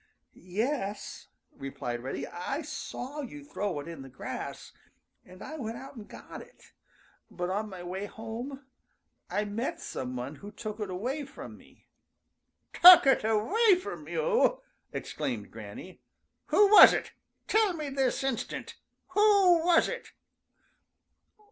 "Yes," replied Reddy, "I saw you throw it in the grass, and I went out and got it, but on my way home I met some one who took it away from me." "Took it away from you!" exclaimed Granny. "Who was it? Tell me this instant! Who was it?"